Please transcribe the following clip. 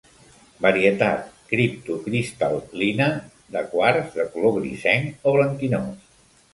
Varietat criptocristal·lina de quars, de color grisenc o blanquinós.